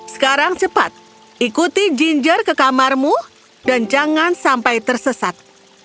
sekarang cepat ikuti ginger ke kamarmu dan jangan sampai tersesat